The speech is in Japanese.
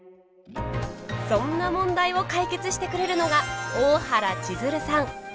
そんな問題を解決してくれるのが大原千鶴さん。